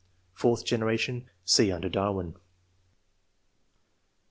Fourth generation. — (See under Darwin.)